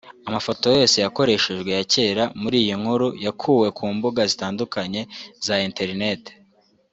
Amafoto yose yakoreshejwe ya kera muri iyi nkuru yakuwe ku mbuga zitandukanye za Internet